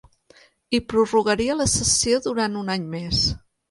Hi prorrogaria la cessió durant un any més.